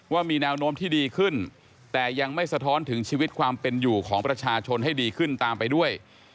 ว่ามีแนวโน้มที่ดีขึ้นแต่ยังไม่สะท้อนถึงชีวิตความเป็นอยู่ของประชาชนให้ดีขึ้นตามไปด้วย